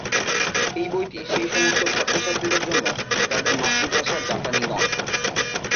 এই বইটি সেই সমস্ত ছাত্রছাত্রীদের জন্য যাদের মাতৃভাষা জাপানী নয়।